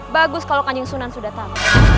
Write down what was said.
bagus kalau kan jengsunan sudah datang